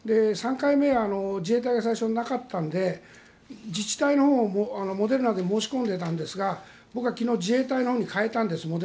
３回目は自衛隊が最初、なかったので自治体のほうはモデルナで申し込んでいたんですが僕は昨日自衛隊のほうに変えたんです。